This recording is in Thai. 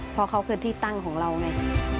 เพราะเขาคือที่ตั้งของเราไง